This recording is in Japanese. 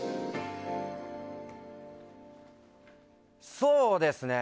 そうですね。